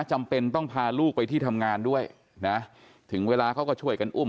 จำเป็นต้องพาลูกไปที่ทำงานด้วยนะถึงเวลาเขาก็ช่วยกันอุ้ม